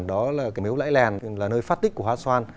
đó là miếu lãi lèn là nơi phát tích của hát xoan